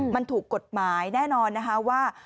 มันถูกกฎหมายแน่นอนนะคะว่า